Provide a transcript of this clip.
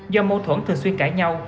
do mâu thuẫn thường xuyên cãi nhau